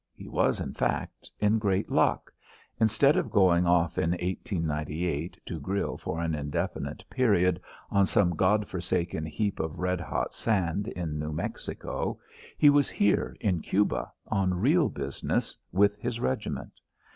He was, in fact, in great luck. Instead of going off in 1898 to grill for an indefinite period on some God forgotten heap of red hot sand in New Mexico, he was here in Cuba, on real business, with his regiment.